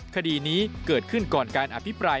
คดีนี้เกิดขึ้นก่อนการอภิปราย